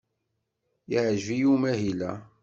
Yeɛjeb-iyi umahil-a.